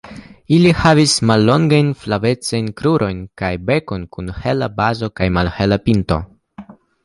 Ili havas mallongajn flavecajn krurojn kaj bekon kun hela bazo kaj malhela pinto.